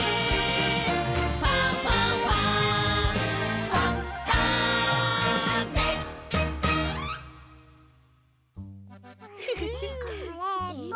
「ファンファンファン」んこれと。